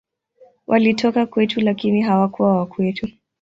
Walitoka kwetu, lakini hawakuwa wa kwetu.